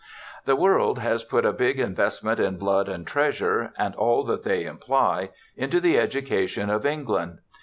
The world has put a big investment in blood and treasure, and all that they imply, into the education of England.